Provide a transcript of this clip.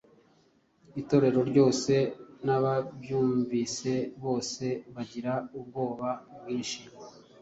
Itorero ryose n’ababyumvise bose bagira ubwoba bwinshi.”.